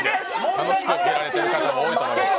楽しく見られてる方多いと思います